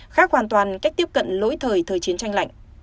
khác hoàn toàn cách tiếp cận lỗi thời thời chiến tranh lạnh